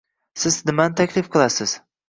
Siz nimani taklif qilasiz